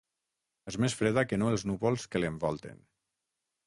És més freda que no els núvols que l’envolten.